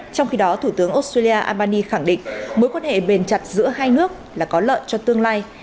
trong khi đó thủ tướng australia albani khẳng định mối quan hệ bền chặt giữa hai nước là có lợi cho tương lai